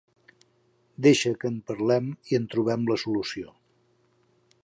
Deixa que en parlem i en trobem la solució.